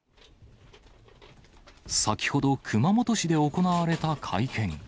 先ほど、熊本市で行われた会見。